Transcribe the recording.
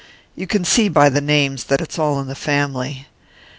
You can see by the names that it's all in the family.